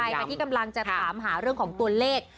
ใครค่ะที่กำลังจะถามหาเรื่องของตัวเลข